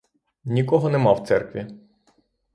Нікого нема в церкві.